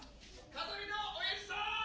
風見のおやじさん！